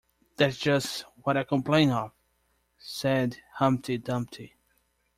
‘That’s just what I complain of,’ said Humpty Dumpty.